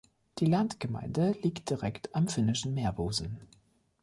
Die Landgemeinde liegt direkt am Finnischen Meerbusen.